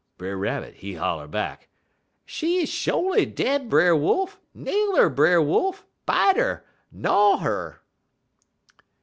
"Brer Rabbit, he holler back: "'She er sho'ly dead, Brer Wolf! Nail 'er, Brer Wolf! Bite 'er! gnyaw 'er!'